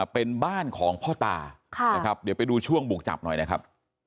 เป็นบ้านของพ่อตานะครับเดี๋ยวไปดูช่วงบุกจับหน่อยนะครับ